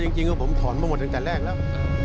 ถ้าผมชั่วจริงก็ผมถอนมาหมดตั้งแต่แรกแล้ว